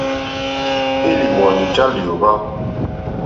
Élìhwwànì já lyǒhwá.